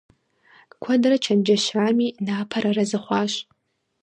Куэдрэ чэнджэщами, Напэр арэзы хъуащ.